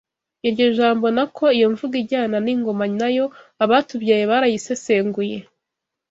Iryo jambo, nako iyo mvugo ijyana n’ingoma nayo abatubyaye barayisesenguye